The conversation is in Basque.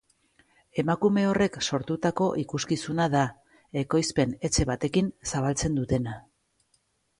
Emakume horrek sortutako ikuskizuna da, ekoizpen-etxe batekin zabaltzen dutena.